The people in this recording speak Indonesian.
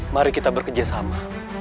mari kita bekerjasama